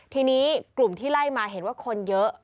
ทีนี้กลุ่มที่ไล่มาเห็นว่าคนเยอะ